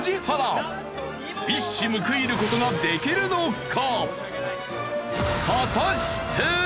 一矢報いる事ができるのか？